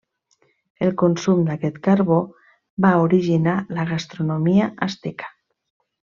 El consum d'aquest carbó va originar la gastronomia asteca.